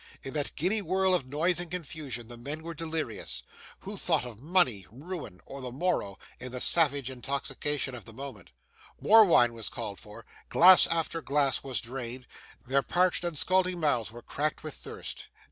In that giddy whirl of noise and confusion, the men were delirious. Who thought of money, ruin, or the morrow, in the savage intoxication of the moment? More wine was called for, glass after glass was drained, their parched and scalding mouths were cracked with thirst.